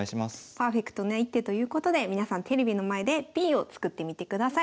パーフェクトな一手ということで皆さんテレビの前でＰを作ってみてください。